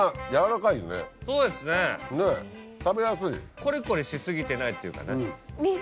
コリコリし過ぎてないというかね。